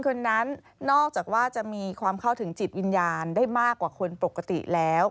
คืนนั้นนอกจากว่าจะมีความเข้าถึงจิตวิญญาณได้มากกว่าคนปกติแล้ว